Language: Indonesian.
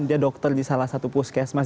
dia dokter di salah satu puskesmas